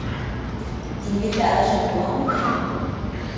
Диңгеҙҙә аҙашып буламы ни?